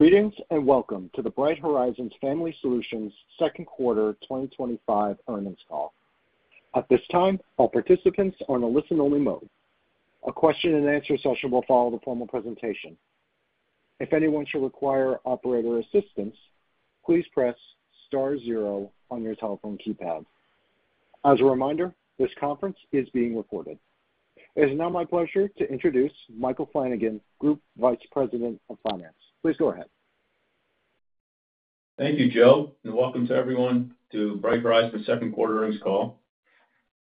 Greetings and welcome to the Bright Horizons Family Solutions second quarter 2025 earnings call. At this time, all participants are in a listen-only mode. A question-and-answer session will follow the formal presentation. If anyone should require operator assistance, please press star zero on your telephone keypad. As a reminder, this conference is being recorded. It is now my pleasure to introduce Michael Flanagan, Group Vice President of Finance. Please go ahead. Thank you, Joe, and welcome to everyone to Bright Horizons Family Solutions second quarter earnings call.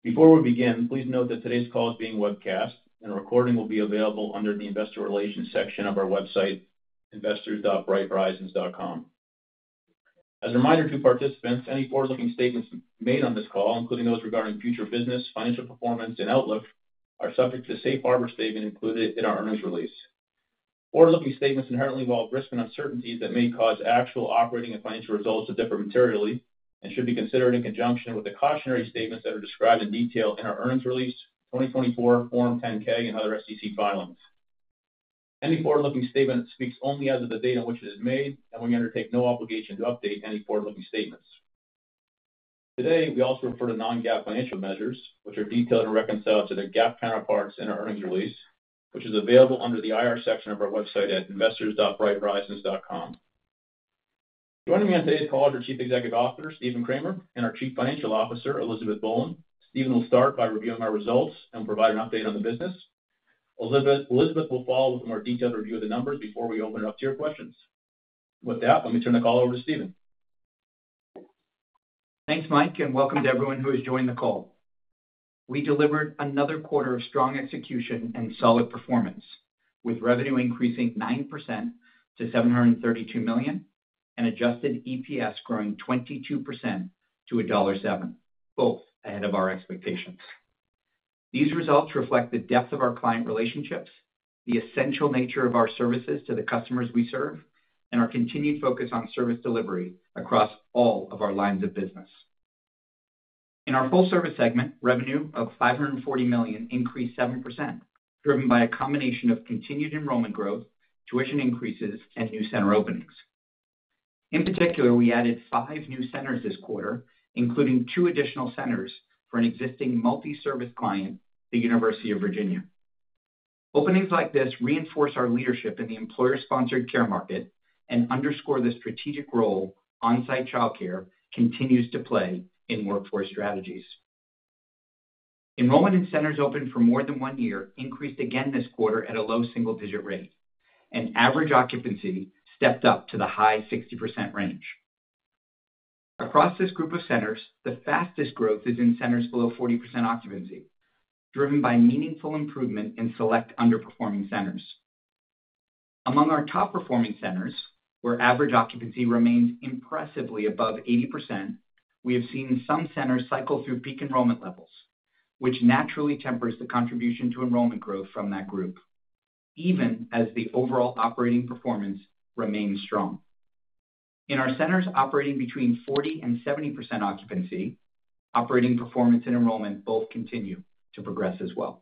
Before we begin, please note that today's call is being webcast and the recording will be available under the investor relations section of our website, investors.brighthorizons.com. As a reminder to participants, any forward-looking statements made on this call, including those regarding future business, financial performance, and outlook, are subject to the safe harbor statement included in our earnings release. Forward-looking statements inherently involve risk and uncertainties that may cause actual operating and financial results to differ materially and should be considered in conjunction with the cautionary statements that are described in detail in our earnings release, 2024 Form 10-K, and other SEC filings. Any forward-looking statement speaks only as of the date on which it is made, and we undertake no obligation to update any forward-looking statements. Today, we also refer to non-GAAP financial measures, which are detailed and reconciled to the GAAP counterparts in our earnings release, which is available under the IR section of our website at investors.brighthorizons.com. Joining me on today's call is our Chief Executive Officer, Stephen Kramer, and our Chief Financial Officer, Elizabeth Boland. Stephen will start by reviewing our results and provide an update on the business. Elizabeth will follow with a more detailed review of the numbers before we open it up to your questions. With that, let me turn the call over to Stephen. Thanks, Mike, and welcome to everyone who has joined the call. We delivered another quarter of strong execution and solid performance, with revenue increasing 9% to $732 million and adjusted EPS growing 22% to $1.70, both ahead of our expectations. These results reflect the depth of our client relationships, the essential nature of our services to the customers we serve, and our continued focus on service delivery across all of our lines of business. In our full-service segment, revenue of $540 million increased 7%, driven by a combination of continued enrollment growth, tuition increases, and new center openings. In particular, we added five new centers this quarter, including two additional centers for an existing multi-service client, the University of Virginia. Openings like this reinforce our leadership in the employer-sponsored childcare market and underscore the strategic role onsite childcare continues to play in workforce strategies. Enrollment in centers open for more than one year increased again this quarter at a low single-digit rate, and average occupancy stepped up to the high 60% range. Across this group of centers, the fastest growth is in centers below 40% occupancy, driven by meaningful improvement in select underperforming centers. Among our top-performing centers, where average occupancy remains impressively above 80%, we have seen some centers cycle through peak enrollment levels, which naturally tempers the contribution to enrollment growth from that group, even as the overall operating performance remains strong. In our centers operating between 40% and 70% occupancy, operating performance and enrollment both continue to progress as well.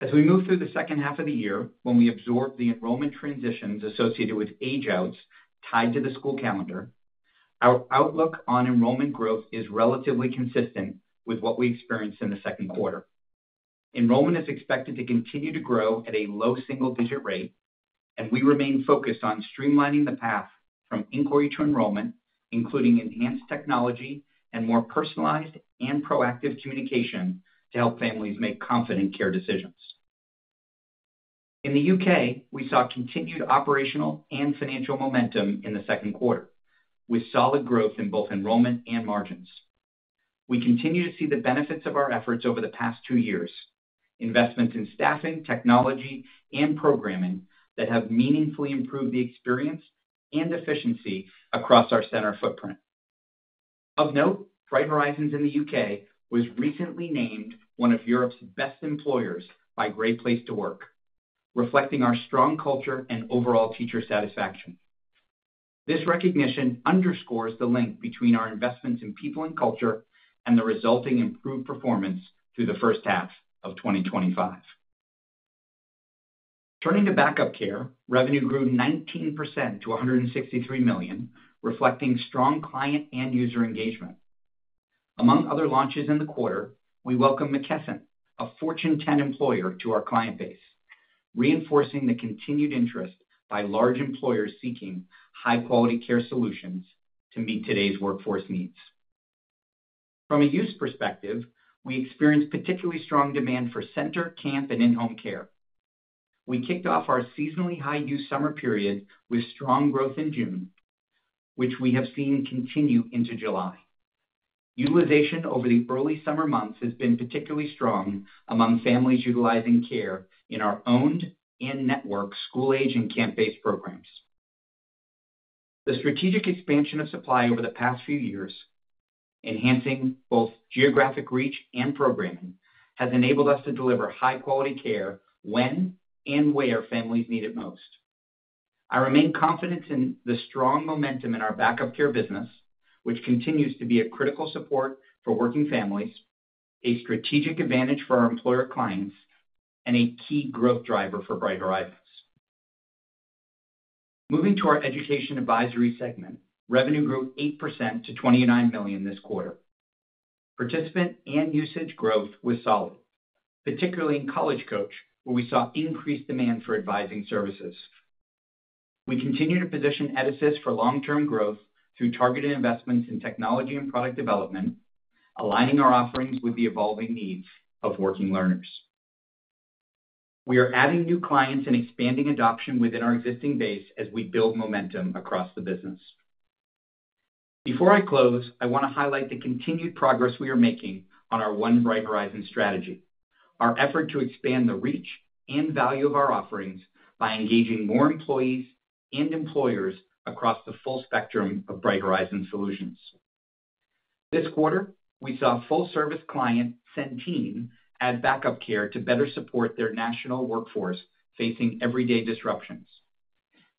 As we move through the second half of the year, when we absorb the enrollment transitions associated with age-outs tied to the school calendar, our outlook on enrollment growth is relatively consistent with what we experienced in the second quarter. Enrollment is expected to continue to grow at a low single-digit rate, and we remain focused on streamlining the path from inquiry to enrollment, including enhanced technology and more personalized and proactive communication to help families make confident care decisions. In the U.K., we saw continued operational and financial momentum in the second quarter, with solid growth in both enrollment and margins. We continue to see the benefits of our efforts over the past two years, investments in staffing, technology, and programming that have meaningfully improved the experience and efficiency across our center footprint. Of note, Bright Horizons in the U.K. was recently named one of Europe's best employers by Great Place to Work, reflecting our strong culture and overall teacher satisfaction. This recognition underscores the link between our investments in people and culture and the resulting improved performance through the first half of 2025. Turning to backup care, revenue grew 19% to $163 million, reflecting strong client and user engagement. Among other launches in the quarter, we welcomed McKesson, a Fortune 10 employer, to our client base, reinforcing the continued interest by large employers seeking high-quality care solutions to meet today's workforce needs. From a use perspective, we experienced particularly strong demand for center, camp, and in-home care. We kicked off our seasonally high-use summer period with strong growth in June, which we have seen continue into July. Utilization over the early summer months has been particularly strong among families utilizing care in our owned and networked school-age and camp-based programs. The strategic expansion of supply over the past few years, enhancing both geographic reach and programming, has enabled us to deliver high-quality care when and where families need it most. I remain confident in the strong momentum in our backup care business, which continues to be a critical support for working families, a strategic advantage for our employer clients, and a key growth driver for Bright Horizons. Moving to our education advisory segment, revenue grew 8% to $29 million this quarter. Participant and usage growth was solid, particularly in College Coach, where we saw increased demand for advising services. We continue to position Education Advisory for long-term growth through targeted investments in technology and product development, aligning our offerings with the evolving needs of working learners. We are adding new clients and expanding adoption within our existing base as we build momentum across the business. Before I close, I want to highlight the continued progress we are making on our One Bright Horizons strategy, our effort to expand the reach and value of our offerings by engaging more employees and employers across the full spectrum of Bright Horizons Solutions. This quarter, we saw a full-service client, Centene, add Backup Care to better support their national workforce facing everyday disruptions.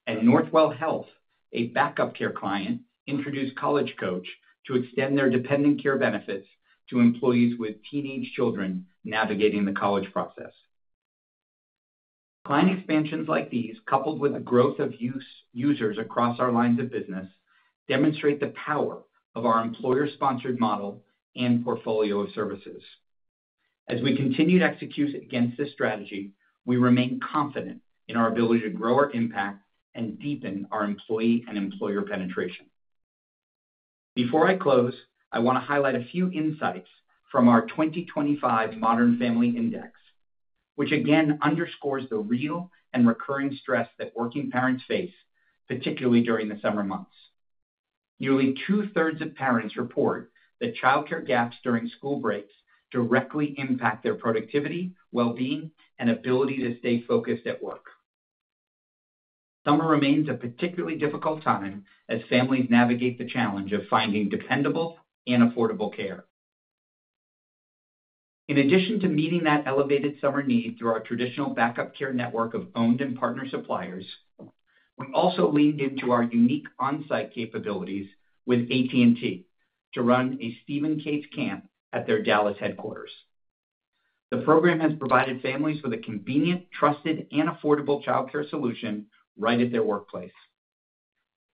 Northwell Health, a Backup Care client, introduced College Coach to extend their dependent care benefits to employees with teenage children navigating the college process. Client expansions like these, coupled with the growth of users across our lines of business, demonstrate the power of our employer-sponsored model and portfolio of services. As we continue to execute against this strategy, we remain confident in our ability to grow our impact and deepen our employee and employer penetration. Before I close, I want to highlight a few insights from our 2025 Modern Family Index, which again underscores the real and recurring stress that working parents face, particularly during the summer months. Nearly two-thirds of parents report that childcare gaps during school breaks directly impact their productivity, well-being, and ability to stay focused at work. Summer remains a particularly difficult time as families navigate the challenge of finding dependable and affordable care. In addition to meeting that elevated summer need through our traditional Backup Care network of owned and partner suppliers, we also leaned into our unique onsite capabilities with AT&T to run a Stephen Cates Camp at their Dallas headquarters. The program has provided families with a convenient, trusted, and affordable childcare solution right at their workplace.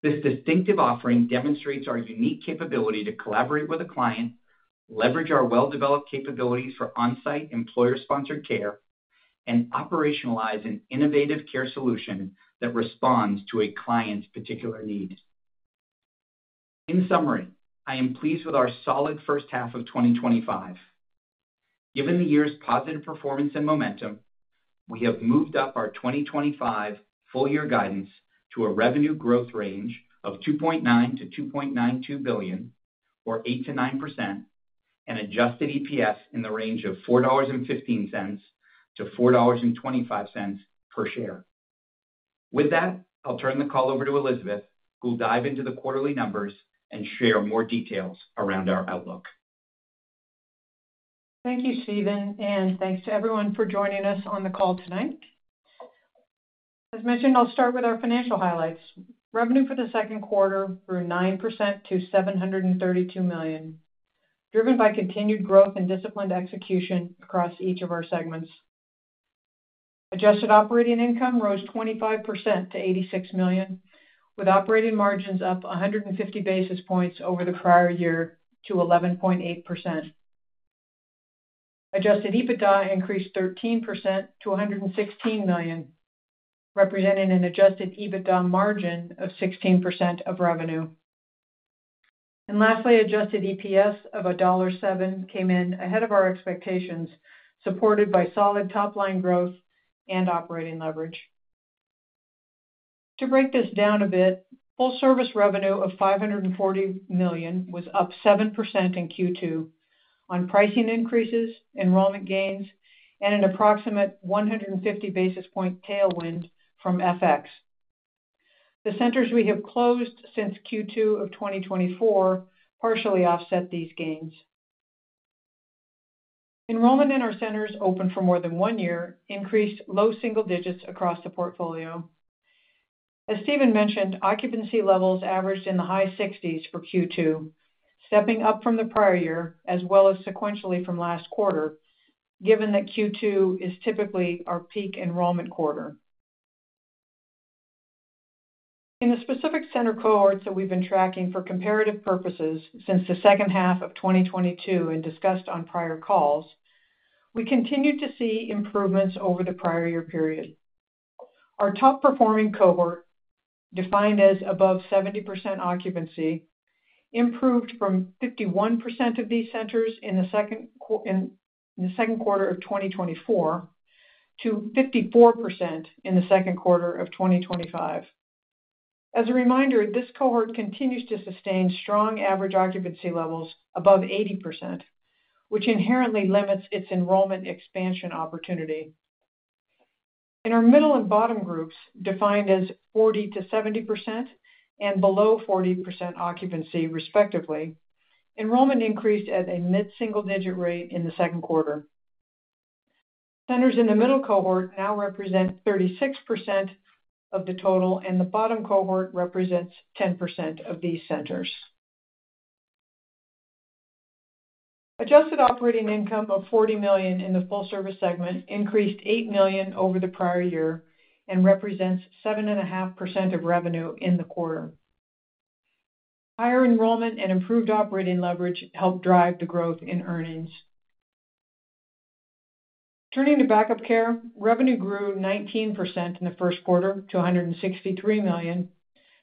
This distinctive offering demonstrates our unique capability to collaborate with a client, leverage our well-developed capabilities for onsite employer-sponsored care, and operationalize an innovative care solution that responds to a client's particular need. In summary, I am pleased with our solid first half of 2025. Given the year's positive performance and momentum, we have moved up our 2025 full-year guidance to a revenue growth range of $2.9 billion-$2.92 billion, or 8%-9%, and adjusted EPS in the range of $4.15-$4.25 per share. With that, I'll turn the call over to Elizabeth, who will dive into the quarterly numbers and share more details around our outlook. Thank you, Stephen, and thanks to everyone for joining us on the call tonight. As mentioned, I'll start with our financial highlights. Revenue for the second quarter grew 9% to $732 million, driven by continued growth and disciplined execution across each of our segments. Adjusted operating income rose 25% to $86 million, with operating margins up 150 basis points over the prior year to 11.8%. Adjusted EBITDA increased 13% to $116 million, representing an adjusted EBITDA margin of 16% of revenue. Lastly, adjusted EPS of $1.70 came in ahead of our expectations, supported by solid top-line growth and operating leverage. To break this down a bit, full-service revenue of $540 million was up 7% in Q2 on pricing increases, enrollment gains, and an approximate 150 basis point tailwind from FX. The centers we have closed since Q2 of 2024 partially offset these gains. Enrollment in our centers open for more than one year increased low single digits across the portfolio. As Stephen mentioned, occupancy levels averaged in the high 60s for Q2, stepping up from the prior year, as well as sequentially from last quarter, given that Q2 is typically our peak enrollment quarter. In the specific center cohorts that we've been tracking for comparative purposes since the second half of 2022 and discussed on prior calls, we continued to see improvements over the prior year period. Our top-performing cohort, defined as above 70% occupancy, improved from 51% of these centers in the second quarter of 2024 to 54% in the second quarter of 2025. As a reminder, this cohort continues to sustain strong average occupancy levels above 80%, which inherently limits its enrollment expansion opportunity. In our middle and bottom groups, defined as 40%-70% and below 40% occupancy, respectively, enrollment increased at a mid-single-digit rate in the second quarter. Centers in the middle cohort now represent 36% of the total, and the bottom cohort represents 10% of these centers. Adjusted operating income of $40 million in the full-service segment increased $8 million over the prior year and represents 7.5% of revenue in the quarter. Higher enrollment and improved operating leverage helped drive the growth in earnings. Turning to backup care, revenue grew 19% in the first quarter to $163 million,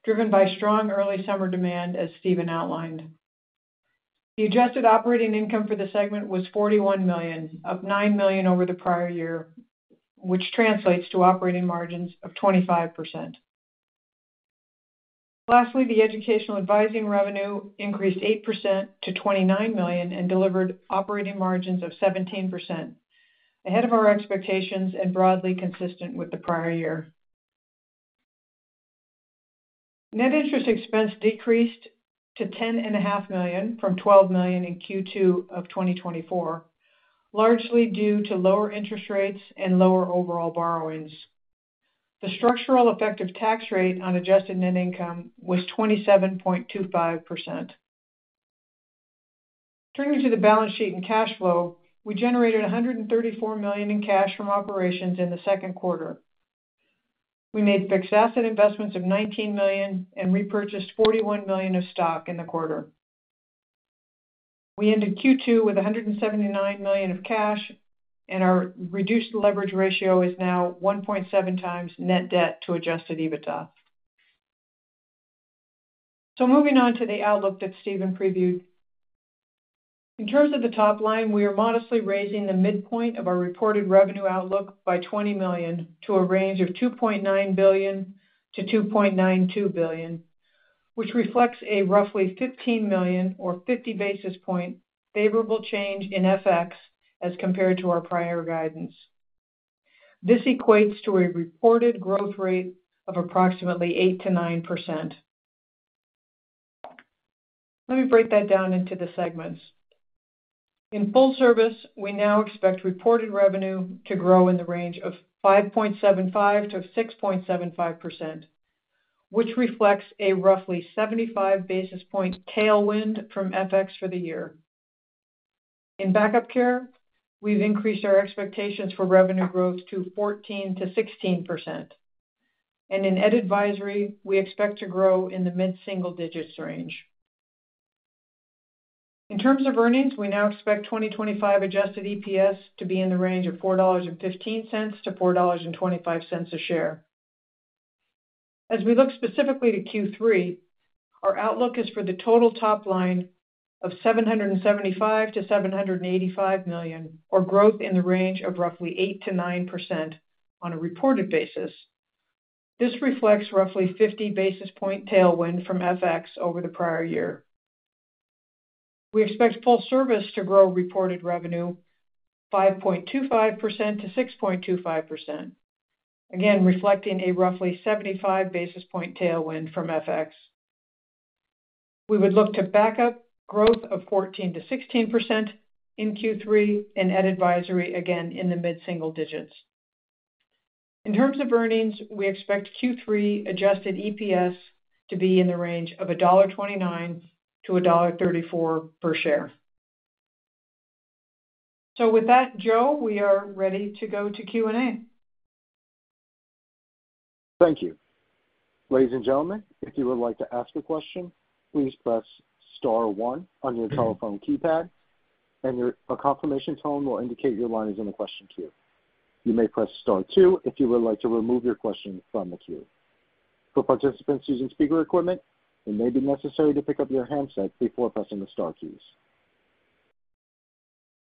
driven by strong early summer demand, as Stephen outlined. The adjusted operating income for the segment was $41 million, up $9 million over the prior year, which translates to operating margins of 25%. Lastly, the educational advising revenue increased 8% to $29 million and delivered operating margins of 17%, ahead of our expectations and broadly consistent with the prior year. Net interest expense decreased to $10.5 million from $12 million in Q2 of 2024, largely due to lower interest rates and lower overall borrowings. The structural effective tax rate on adjusted net income was 27.25%. Turning to the balance sheet and cash flow, we generated $134 million in cash from operations in the second quarter. We made fixed asset investments of $19 million and repurchased $41 million of stock in the quarter. We ended Q2 with $179 million of cash, and our reduced leverage ratio is now 1.7 times net debt to adjusted EBITDA. Moving on to the outlook that Stephen previewed. In terms of the top line, we are modestly raising the midpoint of our reported revenue outlook by $20 million to a range of $2.9 billion-$2.92 billion, which reflects a roughly $15 million or 50 basis point favorable change in FX as compared to our prior guidance. This equates to a reported growth rate of approximately 8%-9%. Let me break that down into the segments. In full service, we now expect reported revenue to grow in the range of 5.75%-6.75%, which reflects a roughly 75 basis point tailwind from FX for the year. In backup care, we've increased our expectations for revenue growth to 14%-16%, and in education advisory, we expect to grow in the mid-single digits range. In terms of earnings, we now expect 2025 adjusted EPS to be in the range of $4.15-$4.25 a share. As we look specifically to Q3, our outlook is for the total top line of $775 million-$785 million, or growth in the range of roughly 8%-9% on a reported basis. This reflects roughly 50 basis point tailwind from FX over the prior year. We expect full service to grow reported revenue 5.25%-6.25%, again reflecting a roughly 75 basis point tailwind from FX. We would look to backup growth of 14%-16% in Q3, and education advisory again in the mid-single digits. In terms of earnings, we expect Q3 adjusted EPS to be in the range of $1.29-$1.34 per share. Joe, we are ready to go to Q&A. Thank you. Ladies and gentlemen, if you would like to ask a question, please press star one on your telephone keypad. Your confirmation tone will indicate your line is in the question queue. You may press star two if you would like to remove your question from the queue. For participants using speaker equipment, it may be necessary to pick up your handset before pressing the star keys.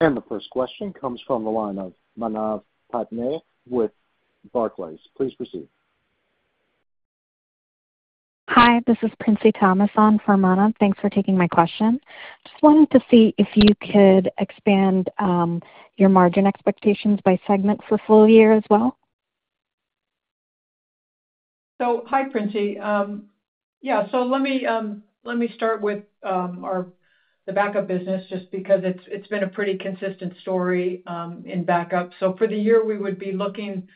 The first question comes from the line of Manav Patnaik with Barclays. Please proceed. Hi, this is Princy Thomas on for Manav. Thanks for taking my question. I just wanted to see if you could expand your margin expectations by segment for full year as well. Hi, Princy. Let me start with the backup business just because it's been a pretty consistent story in backup. For the year, we would be looking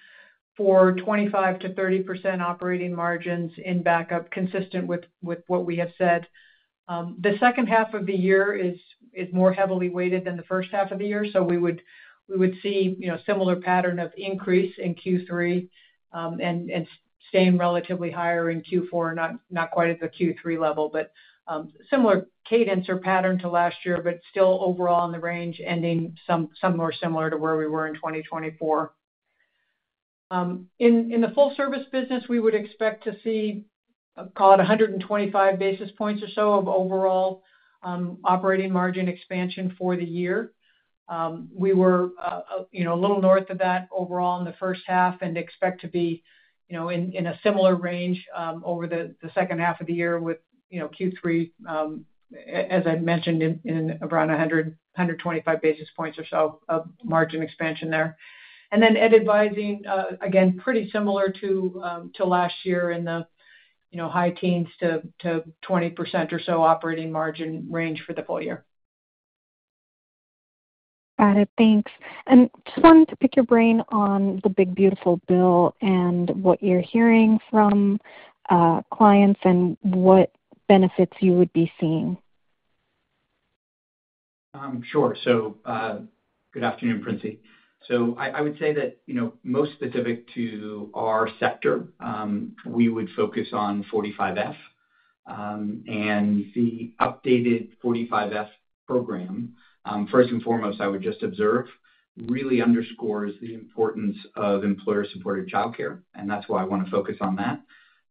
for 25%-30% operating margins in backup, consistent with what we have said. The second half of the year is more heavily weighted than the first half of the year, so we would see a similar pattern of increase in Q3 and staying relatively higher in Q4, not quite at the Q3 level, but similar cadence or pattern to last year, but still overall in the range, ending somewhere similar to where we were in 2024. In the full-service business, we would expect to see, call it 125 basis points or so of overall operating margin expansion for the year. We were a little north of that overall in the first half and expect to be in a similar range over the second half of the year with Q3, as I mentioned, in around 125 basis points or so of margin expansion there. Then ed advising, again, pretty similar to last year in the high teens to 20% or so operating margin range for the full year. Got it. Thanks. I just wanted to pick your brain on the big, beautiful bill and what you're hearing from clients and what benefits you would be seeing. Sure. Good afternoon, Princy. I would say that, you know, most specific to our sector, we would focus on Section 45F. The updated Section 45F program, first and foremost, really underscores the importance of employer-supported childcare, and that's why I want to focus on that.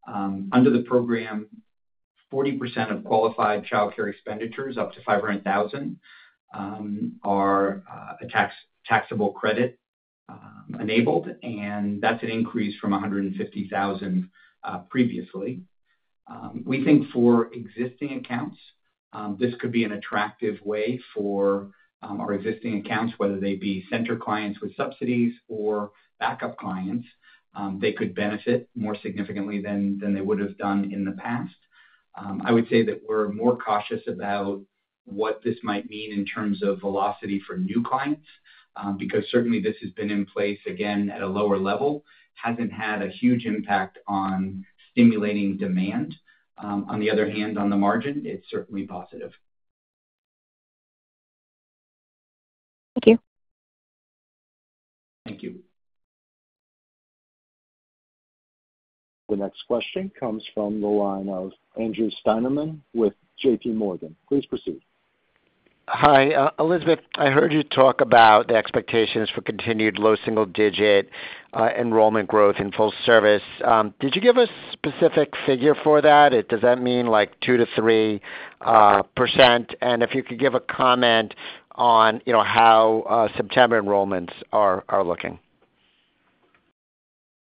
Under the program, 40% of qualified childcare expenditures up to $500,000 are a taxable credit, enabled, and that's an increase from $150,000 previously. We think for existing accounts, this could be an attractive way for our existing accounts, whether they be center clients with subsidies or backup clients, they could benefit more significantly than they would have done in the past. I would say that we're more cautious about what this might mean in terms of velocity for new clients, because certainly this has been in place, again, at a lower level, and hasn't had a huge impact on stimulating demand. On the other hand, on the margin, it's certainly positive. Thank you. Thank you. The next question comes from the line of Andrew Steinerman with JP Morgan. Please proceed. Hi, Elizabeth, I heard you talk about the expectations for continued low single-digit enrollment growth in full service. Did you give a specific figure for that? Does that mean like 2%-3%? If you could give a comment on how September enrollments are looking.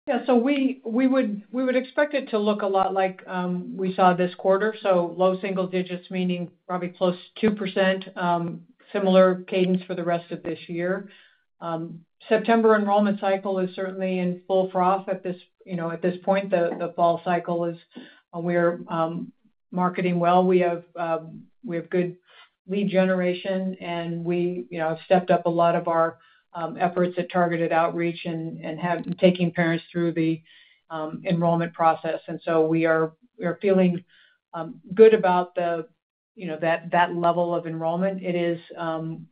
Yeah, we would expect it to look a lot like we saw this quarter, so low single digits, meaning probably close to 2%, similar cadence for the rest of this year. September enrollment cycle is certainly in full froth at this point. The fall cycle is, we are marketing well. We have good lead generation, and we have stepped up a lot of our efforts at targeted outreach and have taken parents through the enrollment process. We are feeling good about that level of enrollment. It is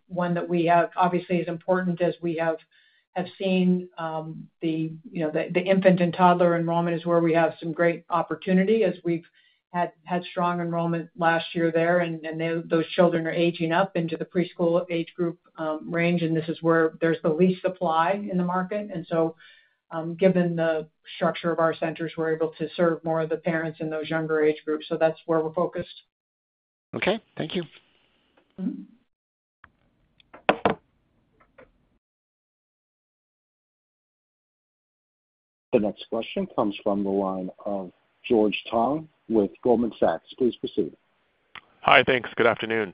one that we have, obviously, as important as we have seen, the infant and toddler enrollment is where we have some great opportunity as we've had strong enrollment last year there. Those children are aging up into the preschool age group range, and this is where there's the least supply in the market. Given the structure of our centers, we're able to serve more of the parents in those younger age groups. That's where we're focused. Okay, thank you. The next question comes from the line of George Tong with Goldman Sachs. Please proceed. Hi, thanks. Good afternoon.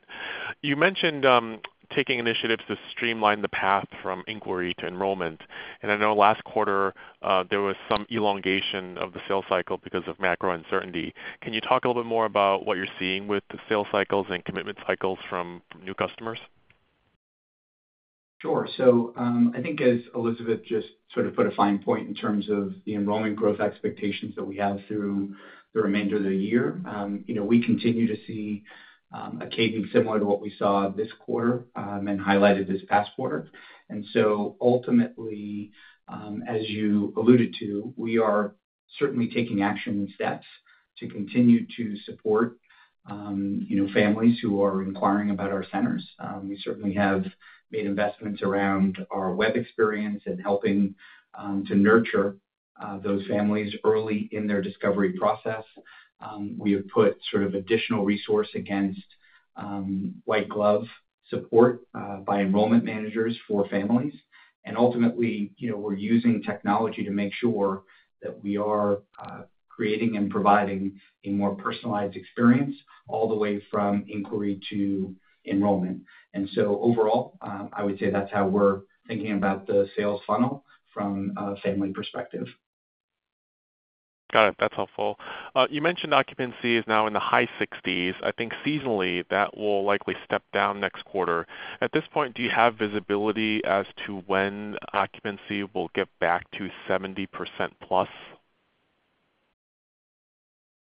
You mentioned taking initiatives to streamline the path from inquiry to enrollment. I know last quarter there was some elongation of the sales cycle because of macro uncertainty. Can you talk a little bit more about what you're seeing with the sales cycles and commitment cycles from new customers? Sure. I think as Elizabeth just sort of put a fine point in terms of the enrollment growth expectations that we have through the remainder of the year, we continue to see a cadence similar to what we saw this quarter and highlighted this past quarter. Ultimately, as you alluded to, we are certainly taking action and steps to continue to support families who are inquiring about our centers. We certainly have made investments around our web experience and helping to nurture those families early in their discovery process. We have put sort of additional resource against white glove support by enrollment managers for families. Ultimately, we're using technology to make sure that we are creating and providing a more personalized experience all the way from inquiry to enrollment. Overall, I would say that's how we're thinking about the sales funnel from a family perspective. Got it. That's helpful. You mentioned occupancy is now in the high 60s. I think seasonally, that will likely step down next quarter. At this point, do you have visibility as to when occupancy will get back to 70%+?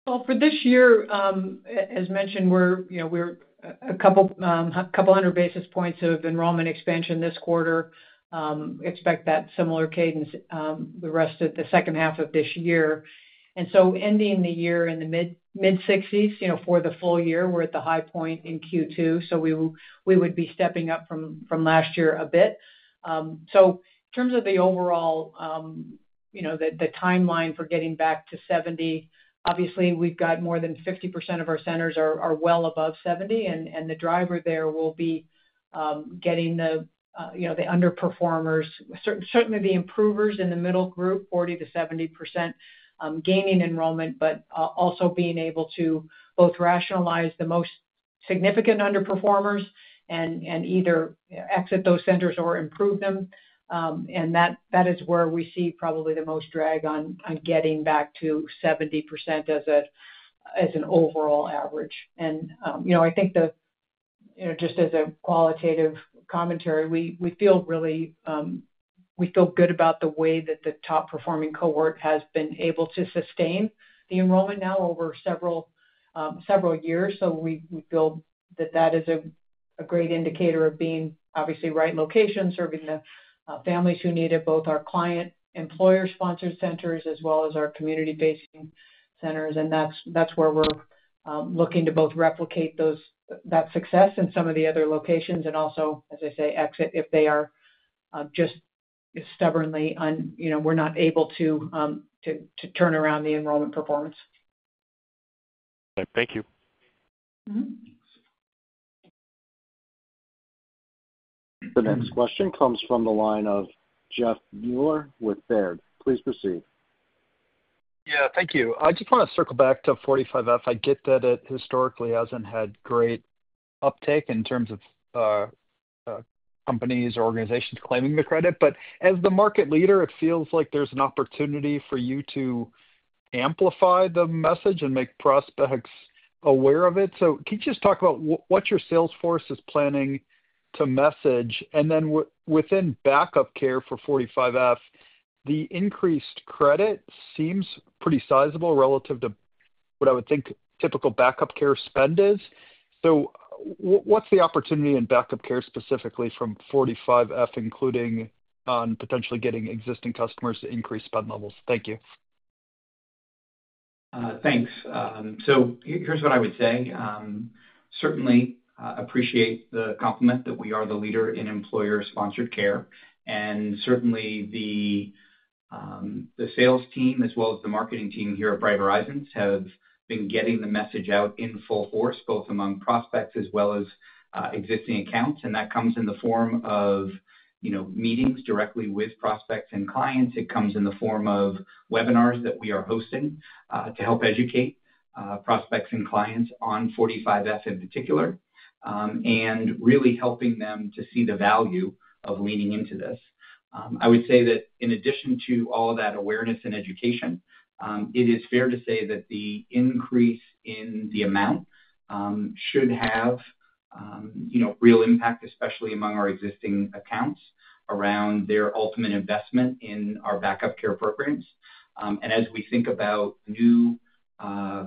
For this year, as mentioned, we're a couple hundred basis points of enrollment expansion this quarter. We expect that similar cadence the rest of the second half of this year, ending the year in the mid-60s. For the full year, we're at the high point in Q2. We would be stepping up from last year a bit. In terms of the overall timeline for getting back to 70%, obviously, we've got more than 50% of our centers well above 70%. The driver there will be getting the underperformers, certainly the improvers in the middle group, 40%-70%, gaining enrollment, but also being able to both rationalize the most significant underperformers and either exit those centers or improve them. That is where we see probably the most drag on getting back to 70% as an overall average. I think just as a qualitative commentary, we feel really good about the way that the top-performing cohort has been able to sustain the enrollment now over several years. We feel that is a great indicator of being obviously right location, serving the families who need it, both our client employer-sponsored centers as well as our community-based centers. That's where we're looking to both replicate that success in some of the other locations and also, as I say, exit if they are just stubbornly on, we're not able to turn around the enrollment performance. Okay, thank you. The next question comes from the line of Jeffrey Meuler with Baird. Please proceed. Thank you. I just want to circle back to Section 45F. I get that it historically hasn't had great uptake in terms of companies or organizations claiming the credit. As the market leader, it feels like there's an opportunity for you to amplify the message and make prospects aware of it. Can you just talk about what your sales force is planning to message? Within Backup Care for Section 45F, the increased credit seems pretty sizable relative to what I would think typical Backup Care spend is. What's the opportunity in Backup Care specifically from Section 45F, including on potentially getting existing customers to increase spend levels? Thank you. Thanks. Here's what I would say. Certainly, I appreciate the compliment that we are the leader in employer-sponsored care. Certainly, the sales team as well as the marketing team here at Bright Horizons have been getting the message out in full force, both among prospects as well as existing accounts. That comes in the form of meetings directly with prospects and clients. It comes in the form of webinars that we are hosting to help educate prospects and clients on Section 45F tax credit in particular, and really helping them to see the value of leaning into this. I would say that in addition to all of that awareness and education, it is fair to say that the increase in the amount should have real impact, especially among our existing accounts around their ultimate investment in our Backup Care programs. As we think about new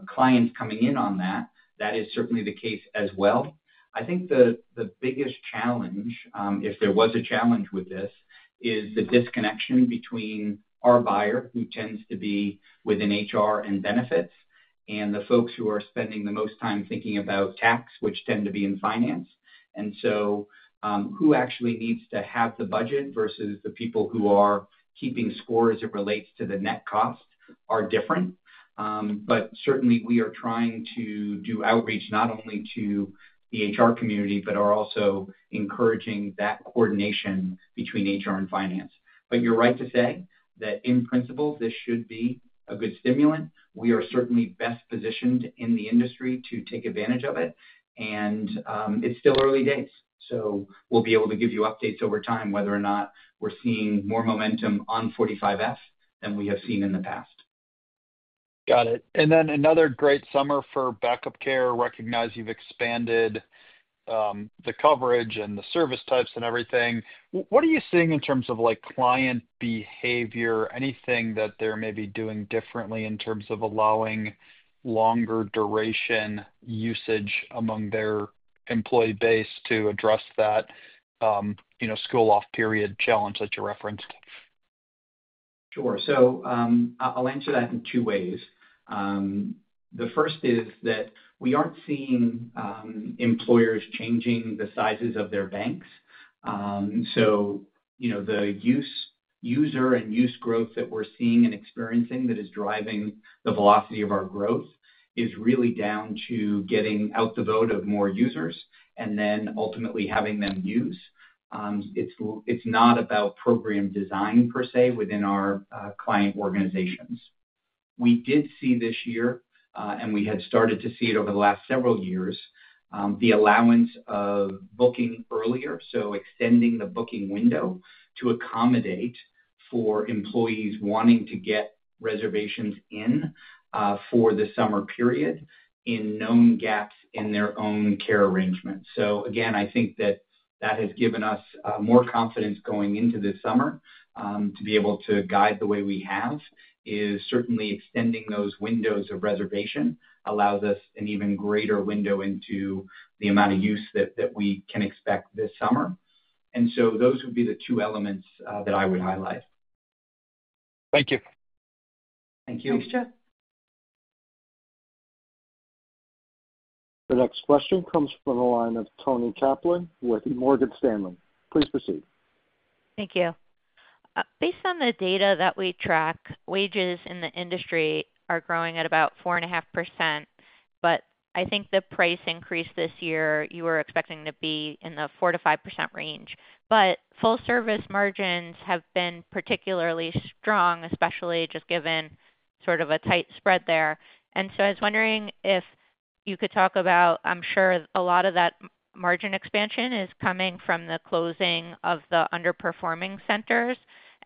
clients coming in on that, that is certainly the case as well. I think the biggest challenge, if there was a challenge with this, is the disconnection between our buyer, who tends to be within HR and benefits, and the folks who are spending the most time thinking about tax, which tend to be in finance. Who actually needs to have the budget versus the people who are keeping score as it relates to the net cost are different. Certainly, we are trying to do outreach not only to the HR community, but are also encouraging that coordination between HR and finance. You're right to say that in principle, this should be a good stimulant. We are certainly best positioned in the industry to take advantage of it. It's still early days. We'll be able to give you updates over time whether or not we're seeing more momentum on Section 45F tax credit than we have seen in the past. Got it. Another great summer for Backup Care. I recognize you've expanded the coverage and the service types and everything. What are you seeing in terms of client behavior? Anything that they're maybe doing differently in terms of allowing longer duration usage among their employee base to address that school off period challenge that you referenced? Sure. I'll answer that in two ways. The first is that we aren't seeing employers changing the sizes of their banks. The user and use growth that we're seeing and experiencing that is driving the velocity of our growth is really down to getting out the vote of more users and then ultimately having them use. It's not about program design per se within our client organizations. We did see this year, and we had started to see it over the last several years, the allowance of booking earlier, extending the booking window to accommodate for employees wanting to get reservations in for the summer period in known gaps in their own care arrangements. I think that has given us more confidence going into this summer to be able to guide the way we have. Certainly, extending those windows of reservation allows us an even greater window into the amount of use that we can expect this summer. Those would be the two elements that I would highlight. Thank you. Thank you. Thanks, Jeff. The next question comes from the line of Toni Kaplan with Morgan Stanley. Please proceed. Thank you. Based on the data that we track, wages in the industry are growing at about 4.5%. I think the price increase this year, you were expecting to be in the 4%-5% range. Full-service margins have been particularly strong, especially just given sort of a tight spread there. I was wondering if you could talk about, I'm sure a lot of that margin expansion is coming from the closing of the underperforming centers.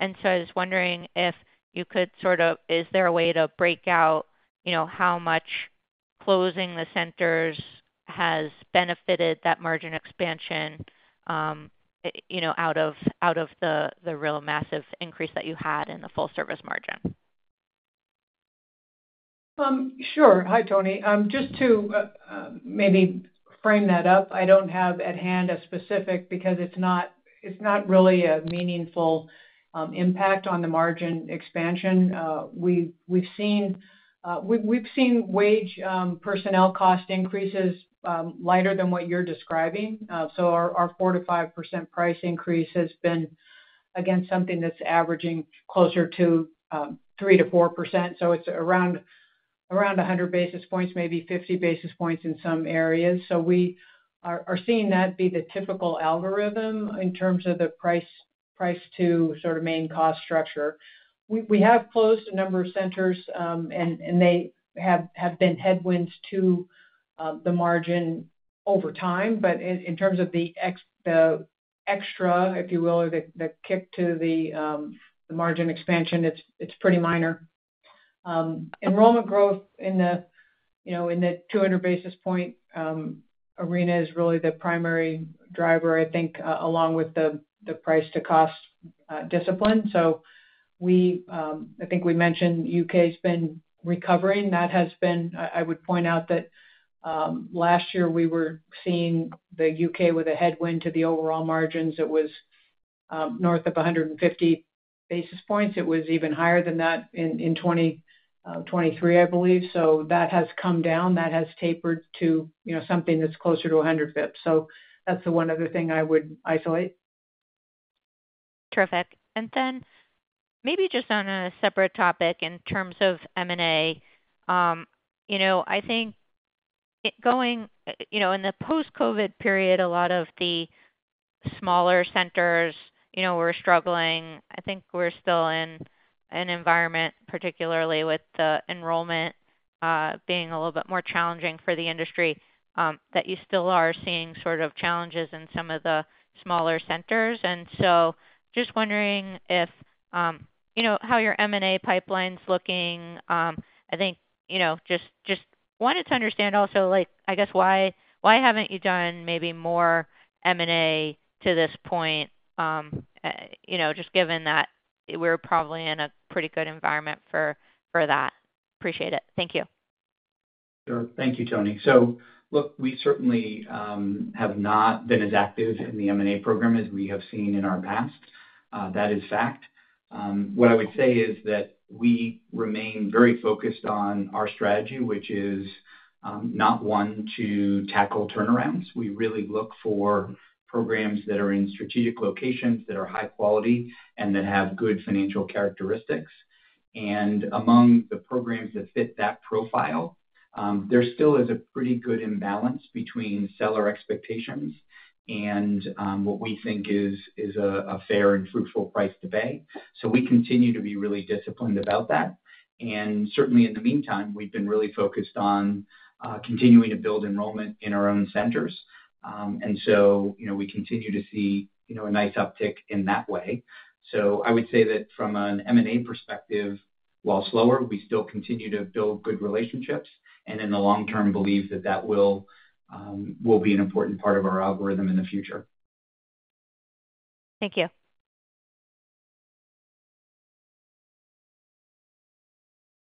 I was wondering if you could sort of, is there a way to break out how much closing the centers has benefited that margin expansion, out of the real massive increase that you had in the full-service margin? Sure. Hi, Toni. Just to maybe frame that up, I don't have at hand a specific because it's not really a meaningful impact on the margin expansion. We've seen wage, personnel cost increases, lighter than what you're describing. Our 4%-5% price increase has been, again, something that's averaging closer to 3%-4%. It's around 100 basis points, maybe 50 basis points in some areas. We are seeing that be the typical algorithm in terms of the price to sort of main cost structure. We have closed a number of centers, and they have been headwinds to the margin over time. In terms of the extra, if you will, or the kick to the margin expansion, it's pretty minor. Enrollment growth in the, you know, in the 200 basis point arena is really the primary driver, I think, along with the price-to-cost discipline. I think we mentioned the U.K.'s been recovering. I would point out that last year, we were seeing the U.K. with a headwind to the overall margins. It was north of 150 basis points. It was even higher than that in 2023, I believe. That has come down. That has tapered to something that's closer to 100 basis points. That's the one other thing I would isolate. Terrific. Maybe just on a separate topic in terms of M&A, I think going in the post-COVID period, a lot of the smaller centers were struggling. I think we're still in an environment, particularly with the enrollment being a little bit more challenging for the industry, that you still are seeing sort of challenges in some of the smaller centers. Just wondering how your M&A pipeline's looking. I just wanted to understand also, like, I guess, why haven't you done maybe more M&A to this point, just given that we're probably in a pretty good environment for that. Appreciate it. Thank you. Sure. Thank you, Toni. We certainly have not been as active in the M&A activity as we have seen in our past. That is a fact. What I would say is that we remain very focused on our strategy, which is not one to tackle turnarounds. We really look for programs that are in strategic locations, that are high quality, and that have good financial characteristics. Among the programs that fit that profile, there still is a pretty good imbalance between seller expectations and what we think is a fair and fruitful price to pay. We continue to be really disciplined about that. In the meantime, we've been really focused on continuing to build enrollment in our own centers, and we continue to see a nice uptick in that way. I would say that from an M&A perspective, while slower, we still continue to build good relationships and in the long term believe that will be an important part of our algorithm in the future. Thank you.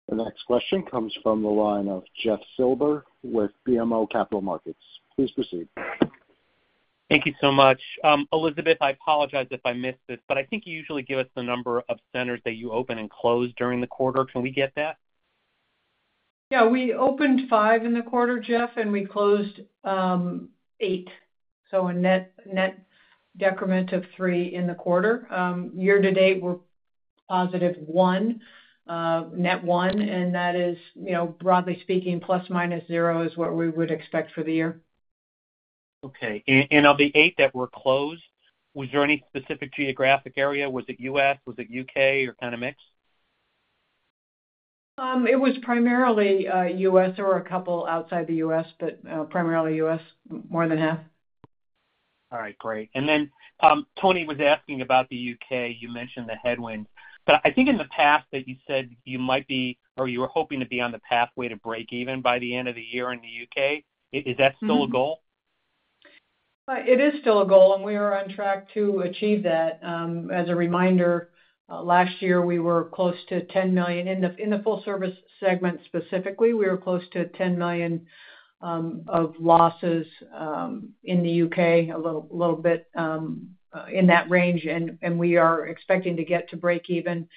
The next question comes from the line of Jeff Silber with BMO Capital Markets. Please proceed. Thank you so much. Elizabeth, I apologize if I missed this, but I think you usually give us the number of centers that you open and close during the quarter. Can we get that? Yeah, we opened five in the quarter, Jeff, and we closed eight. A net net decrement of three in the quarter. Year to date, we're positive one, net one, and that is, you know, broadly speaking, ±0 is what we would expect for the year. Of the eight that were closed, was there any specific geographic area? Was it U.S.? Was it U.K. or kind of mixed? It was primarily U.S. or a couple outside the U.S., but primarily U.S., more than half. All right. Great. Toni was asking about the U.K.. You mentioned the headwind. I think in the past that you said you might be, or you were hoping to be on the pathway to break even by the end of the year in the U.K.. Is that still a goal? It is still a goal, and we are on track to achieve that. As a reminder, last year, we were close to $10 million in the full-service segment specifically. We were close to $10 million of losses in the U.K., a little bit in that range. We are expecting to get to break even.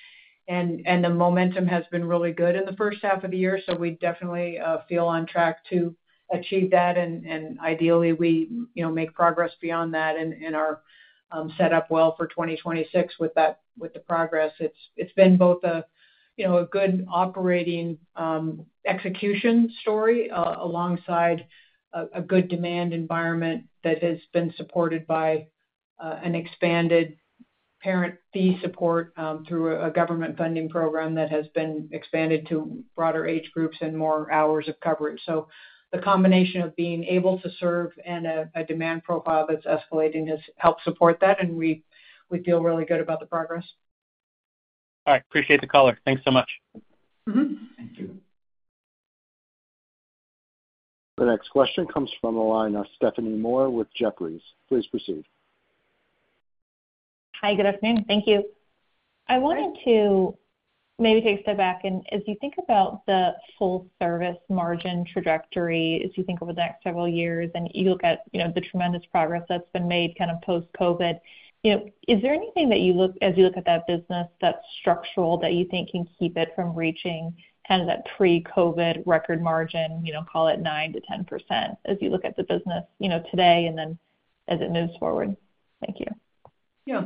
The momentum has been really good in the first half of the year. We definitely feel on track to achieve that. Ideally, we make progress beyond that and are set up well for 2026 with the progress. It's been both a good operating execution story, alongside a good demand environment that has been supported by expanded parent fee support through a government funding program that has been expanded to broader age groups and more hours of coverage. The combination of being able to serve and a demand profile that's escalating has helped support that. We feel really good about the progress. All right. Appreciate the caller. Thanks so much. Thank you. The next question comes from the line of Stephanie Moore with Bright Horizons Family Solutions. Please proceed. Hi, good afternoon. Thank you. I wanted to maybe take a step back. As you think about the full-service margin trajectory, as you think over the next several years, and you look at the tremendous progress that's been made post-COVID, is there anything that you look at as you look at that business that's structural that you think can keep it from reaching that pre-COVID record margin, call it 9%-10%, as you look at the business today and then as it moves forward? Thank you. Yeah.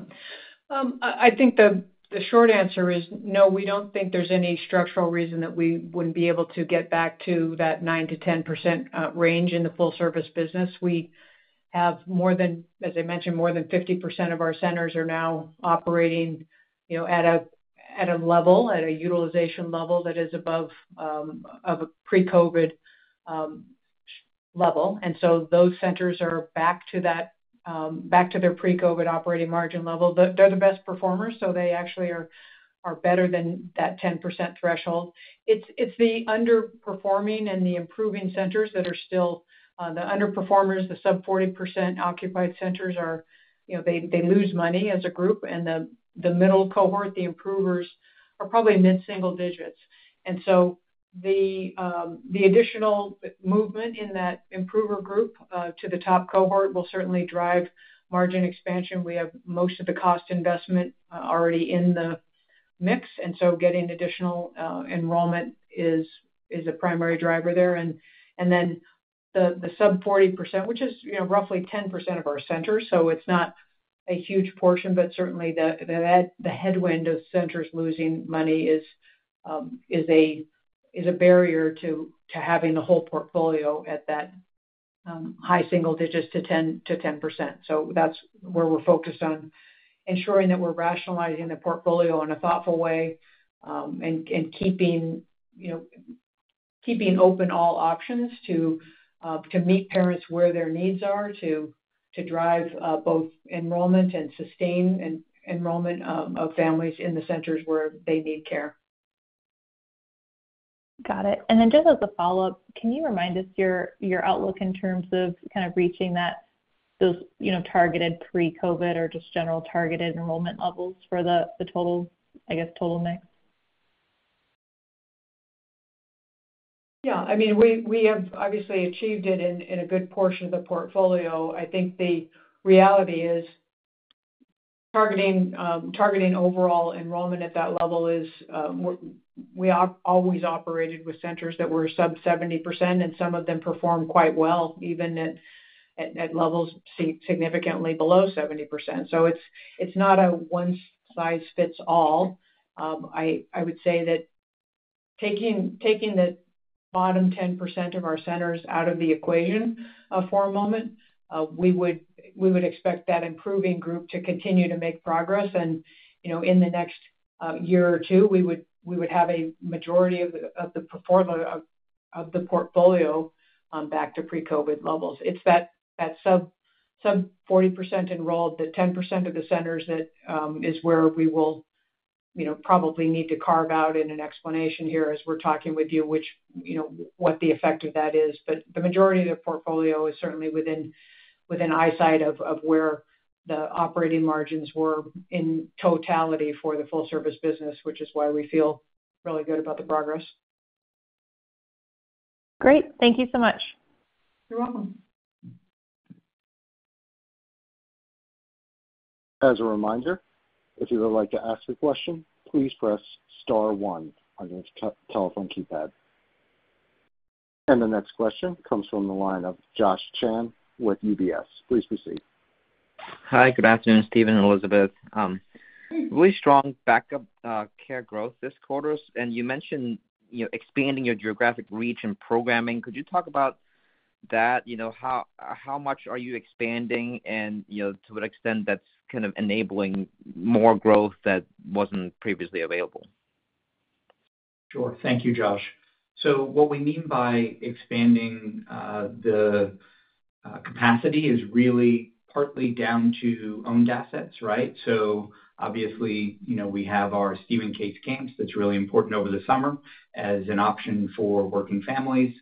I think the short answer is no, we don't think there's any structural reason that we wouldn't be able to get back to that 9%-10% range in the full-service business. We have more than, as I mentioned, more than 50% of our centers are now operating at a utilization level that is above a pre-COVID level. Those centers are back to their pre-COVID operating margin level. They're the best performers, so they actually are better than that 10% threshold. It's the underperforming and the improving centers that are still, the underperformers, the sub-40% occupied centers, they lose money as a group. The middle cohort, the improvers, are probably mid-single digits. The additional movement in that improver group to the top cohort will certainly drive margin expansion. We have most of the cost investment already in the mix, so getting additional enrollment is a primary driver there. The sub-40%, which is roughly 10% of our centers, it's not a huge portion, but certainly the headwind of centers losing money is a barrier to having the whole portfolio at that high single digits to 10%. That's where we're focused on ensuring that we're rationalizing the portfolio in a thoughtful way and keeping open all options to meet parents where their needs are to drive both enrollment and sustain enrollment of families in the centers where they need care. Got it. Just as a follow-up, can you remind us your outlook in terms of kind of reaching those, you know, targeted pre-COVID or just general targeted enrollment levels for the total, I guess, total mix? Yeah. I mean, we have obviously achieved it in a good portion of the portfolio. I think the reality is targeting overall enrollment at that level is, we always operated with centers that were sub-70%, and some of them perform quite well, even at levels significantly below 70%. It's not a one-size-fits-all. I would say that taking the bottom 10% of our centers out of the equation for a moment, we would expect that improving group to continue to make progress. You know, in the next year or two, we would have a majority of the portfolio back to pre-COVID levels. It's that sub-40% enrolled, the 10% of the centers, that is where we will probably need to carve out an explanation here as we're talking with you, which, you know, what the effect of that is. The majority of the portfolio is certainly within eyesight of where the operating margins were in totality for the full-service business, which is why we feel really good about the progress. Great. Thank you so much. You're welcome. As a reminder, if you would like to ask a question, please press star one on your telephone keypad. The next question comes from the line of Josh Chan with UBS. Please proceed. Hi, good afternoon, Stephen and Elizabeth. Really strong backup care growth this quarter. You mentioned expanding your geographic reach and programming. Could you talk about that? How much are you expanding and to what extent that's kind of enabling more growth that wasn't previously available? Sure. Thank you, Josh. What we mean by expanding the capacity is really partly down to owned assets, right? Obviously, we have our Stephen Cates Camp that's really important over the summer as an option for working families.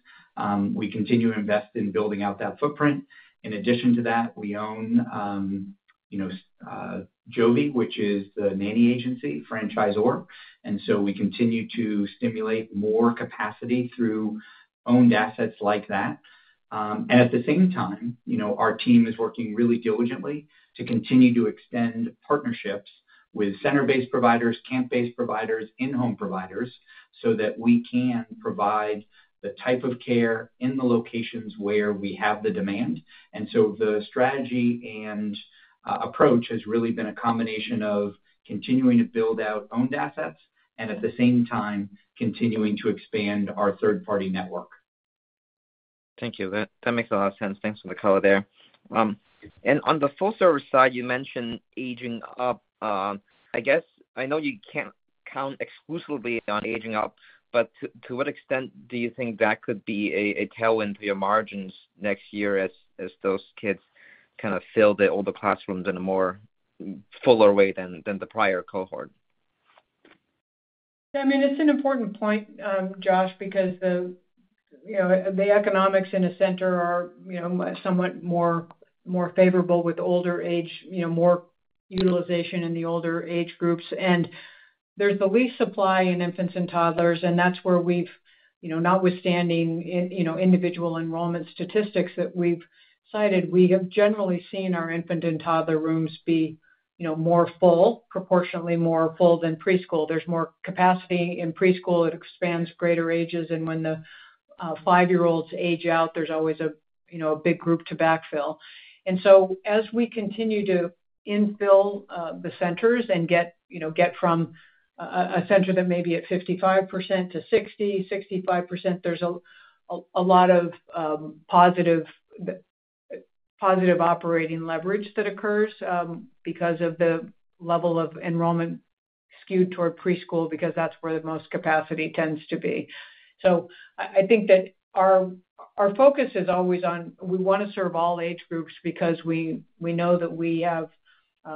We continue to invest in building out that footprint. In addition to that, we own Jovie, which is the nanny agency franchisor, and we continue to stimulate more capacity through owned assets like that. At the same time, our team is working really diligently to continue to extend partnerships with center-based providers, camp-based providers, in-home providers so that we can provide the type of care in the locations where we have the demand. The strategy and approach has really been a combination of continuing to build out owned assets and at the same time, continuing to expand our third-party network. Thank you. That makes a lot of sense. Thanks for the call there. On the full-service side, you mentioned aging up. I guess I know you can't count exclusively on aging up, but to what extent do you think that could be a tailwind to your margins next year as those kids kind of fill the older classrooms in a more fuller way than the prior cohort? Yeah, I mean, it's an important point, Josh, because the economics in a center are somewhat more favorable with older age, you know, more utilization in the older age groups. There's the least supply in infants and toddlers, and that's where we've, notwithstanding individual enrollment statistics that we've cited, we have generally seen our infant and toddler rooms be more full, proportionately more full than preschool. There's more capacity in preschool. It expands greater ages. When the five-year-olds age out, there's always a big group to backfill. As we continue to infill the centers and get from a center that may be at 55%-60%, 65%, there's a lot of positive operating leverage that occurs because of the level of enrollment skewed toward preschool, because that's where the most capacity tends to be. I think that our focus is always on we want to serve all age groups because we know that we have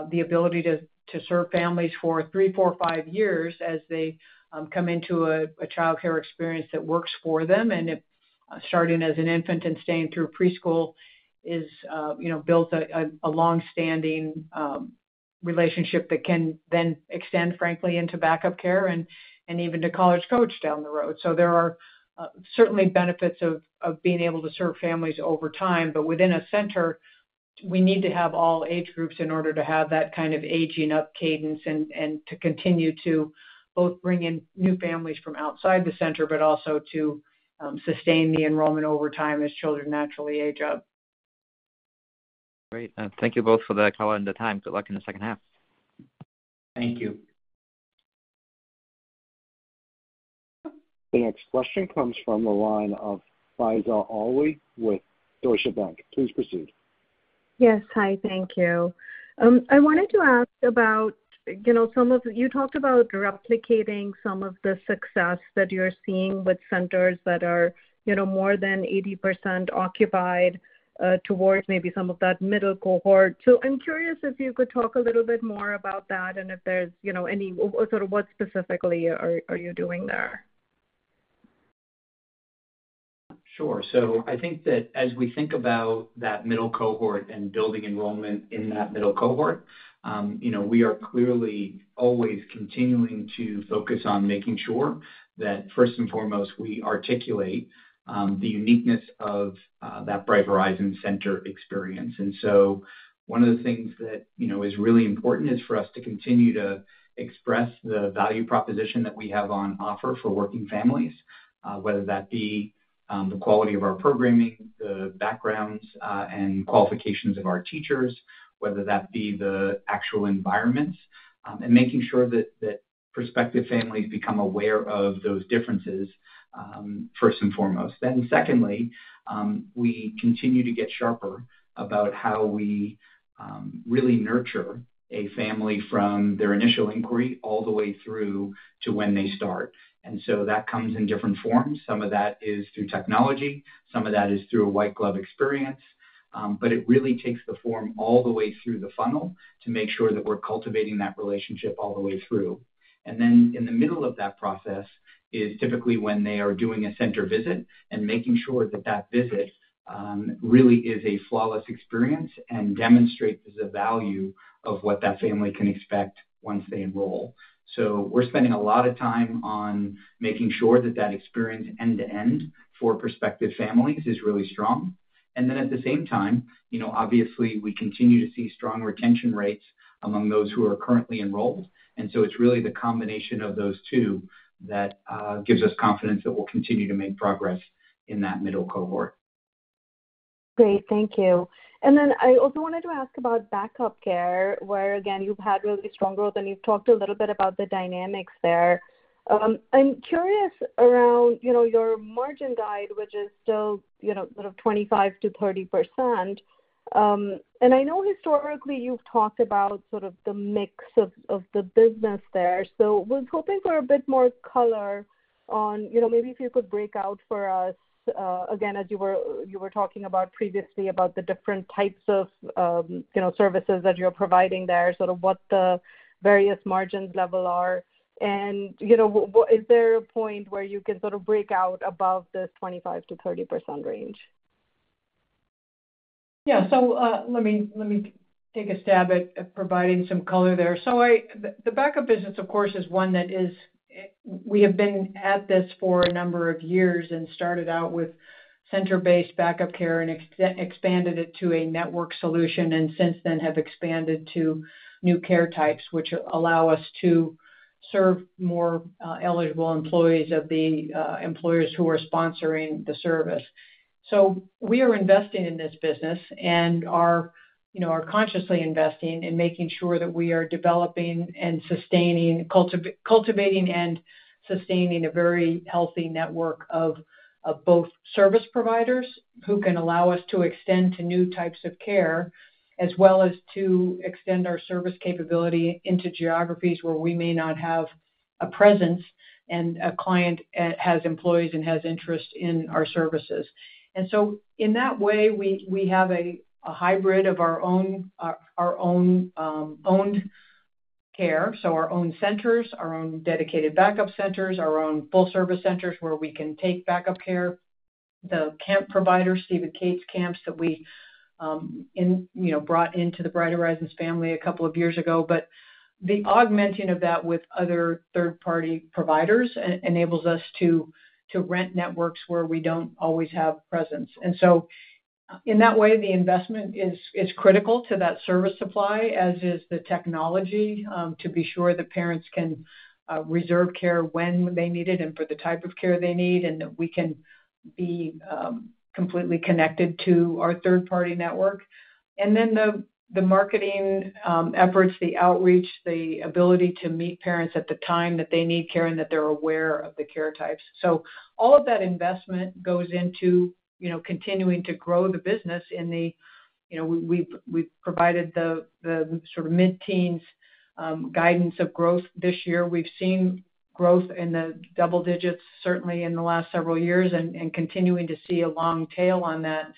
the ability to serve families for three, four, five years as they come into a childcare experience that works for them. If starting as an infant and staying through preschool builds a long-standing relationship, that can then extend, frankly, into backup care and even to College Coach down the road. There are certainly benefits of being able to serve families over time. Within a center, we need to have all age groups in order to have that kind of aging-up cadence and to continue to both bring in new families from outside the center, but also to sustain the enrollment over time as children naturally age up. Great. Thank you both for the call and the time. Good luck in the second half. Thank you. The next question comes from the line of Faiza Alwy with Deutsche Bank. Please proceed. Yes. Hi, thank you. I wanted to ask about, you know, some of you talked about replicating some of the success that you're seeing with centers that are, you know, more than 80% occupied, towards maybe some of that middle cohort. I'm curious if you could talk a little bit more about that and if there's, you know, any sort of what specifically are you doing there? Sure. I think that as we think about that middle cohort and building enrollment in that middle cohort, we are clearly always continuing to focus on making sure that, first and foremost, we articulate the uniqueness of that Bright Horizons Center experience. One of the things that is really important is for us to continue to express the value proposition that we have on offer for working families, whether that be the quality of our programming, the backgrounds and qualifications of our teachers, or the actual environments, and making sure that prospective families become aware of those differences, first and foremost. Secondly, we continue to get sharper about how we really nurture a family from their initial inquiry all the way through to when they start. That comes in different forms. Some of that is through technology. Some of that is through a white glove experience, but it really takes the form all the way through the funnel to make sure that we're cultivating that relationship all the way through. In the middle of that process is typically when they are doing a center visit and making sure that visit really is a flawless experience and demonstrates the value of what that family can expect once they enroll. We're spending a lot of time on making sure that experience end-to-end for prospective families is really strong. At the same time, we continue to see strong retention rates among those who are currently enrolled. It's really the combination of those two that gives us confidence that we'll continue to make progress in that middle cohort. Great. Thank you. I also wanted to ask about backup care, where you've had really strong growth and you've talked a little bit about the dynamics there. I'm curious around your margin guide, which is still sort of 25%-30%. I know historically you've talked about the mix of the business there. I was hoping for a bit more color on maybe if you could break out for us, again, as you were talking about previously about the different types of services that you're providing there, what the various margin levels are. Is there a point where you can break out above this 25%-30% range? Let me take a stab at providing some color there. The backup business, of course, is one that we have been at for a number of years and started out with center-based backup care and expanded it to a network solution. Since then, we have expanded to new care types, which allow us to serve more eligible employees of the employers who are sponsoring the service. We are investing in this business and are consciously investing in making sure that we are developing, cultivating, and sustaining a very healthy network of both service providers who can allow us to extend to new types of care, as well as to extend our service capability into geographies where we may not have a presence and a client has employees and has interest in our services. In that way, we have a hybrid of our own owned care—our own centers, our own dedicated backup centers, our own full-service centers where we can take backup care, the camp providers, Stephen Cates Camp that we brought into the Bright Horizons family a couple of years ago. The augmenting of that with other third-party providers enables us to rent networks where we do not always have presence. In that way, the investment is critical to that service supply, as is the technology, to be sure that parents can reserve care when they need it and for the type of care they need, and that we can be completely connected to our third-party network. The marketing efforts, the outreach, the ability to meet parents at the time that they need care and that they're aware of the care types, are also important. All of that investment goes into continuing to grow the business. We've provided the sort of mid-teens guidance of growth this year. We've seen growth in the double digits, certainly in the last several years, and continuing to see a long tail on that.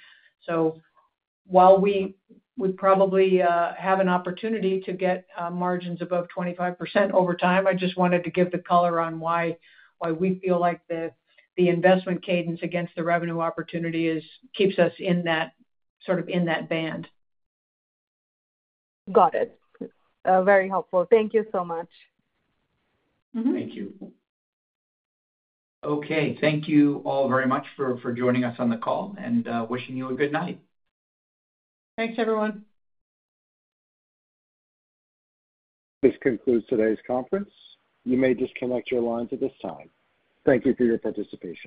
While we would probably have an opportunity to get margins above 25% over time, I just wanted to give the color on why we feel like the investment cadence against the revenue opportunity keeps us in that band. Got it. Very helpful. Thank you so much. Thank you. Thank you all very much for joining us on the call and wishing you a good night. Thanks, everyone. This concludes today's conference. You may disconnect your lines at this time. Thank you for your participation.